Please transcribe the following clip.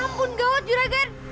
ya ampun gawat juragan